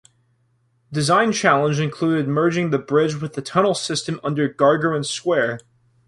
Design challenge included merging the bridge with the tunnel system under Gagarin Square.